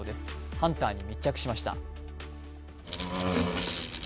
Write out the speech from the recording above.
ハンターに密着しました。